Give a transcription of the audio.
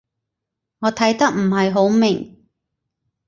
我睇得唔係好明